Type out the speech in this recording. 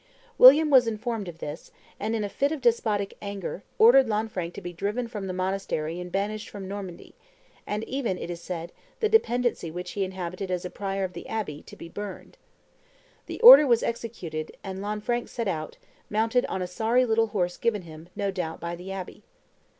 William was informed of this, and in a fit of despotic anger, ordered Lanfranc to be driven from the monastery and banished from Normandy, and even, it is said, the dependency which he inhabited as prior of the abbey, to be burned. The order was executed; and Lanfranc set out, mounted on a sorry little horse given him, no doubt, by the abbey.